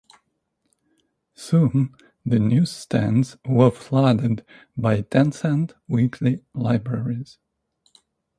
Soon the newsstands were flooded by ten-cent weekly "libraries".